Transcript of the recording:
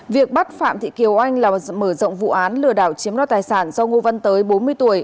việc bắt phạm thị kiều anh là mở rộng vụ án lừa đảo chiếm đo tài sản do ngô văn tới bốn mươi tuổi